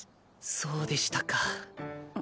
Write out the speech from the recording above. そうでしたか。